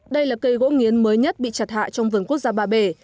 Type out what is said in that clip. đây là cây gỗ nghiến mới nhất bị chặt hạ trong vườn quốc gia ba bể